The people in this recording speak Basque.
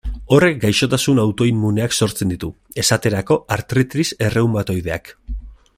Horrek gaixotasun autoimmuneak sortzen ditu, esterako artritis erreumatoideak.